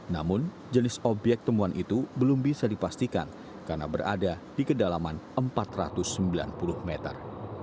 namun jenis obyek temuan itu belum bisa dipastikan karena berada di kedalaman empat ratus sembilan puluh meter